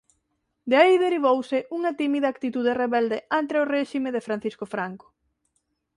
De aí derivouse unha tímida actitude rebelde ante o réxime de Francisco Franco.